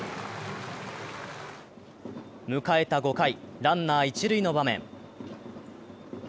迎えた５回、ランナー一塁の場面。